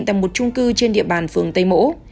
tại một trung cư trên địa bàn phường tây mỗ